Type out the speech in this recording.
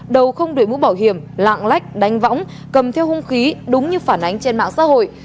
đầu không đuổi mũ bảo hiểm lạng lách đánh võng cầm theo hung khí đúng như phản ánh trên mạng xã hội